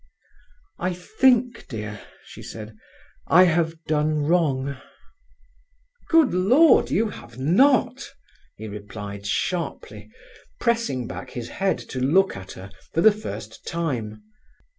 "I think, dear," she said, "I have done wrong." "Good Lord—you have not!" he replied sharply, pressing back his head to look at her, for the first time.